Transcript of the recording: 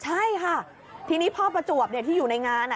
ใช่ค่ะทีนี้พ่อประจวบที่อยู่ในงาน